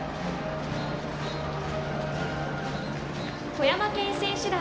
富山県選手団。